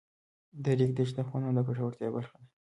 د ریګ دښتې د افغانانو د ګټورتیا برخه ده.